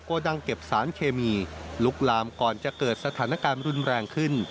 ดังเก็บสารเคมีลุกลามก่อนจะเกิดสถานการณ์รุนแรงขึ้น